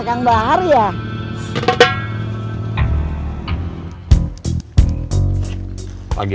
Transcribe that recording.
gandang gandang perjalanan ya